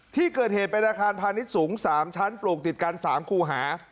ที่เกิดเหตุเป็นอาคารพาณิชย์สูง๓ชั้นปลูกติดกัน๓คู่หา